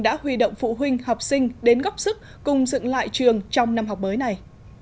đã huy động phụ huynh học sinh đến góp sức cùng dựng lại trường trong năm học mới này